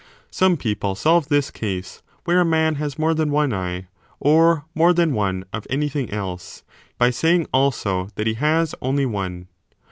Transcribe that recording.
Some people solve this case, where a man has more than one eye, or more than one of any thing else, by saying also that he has only one.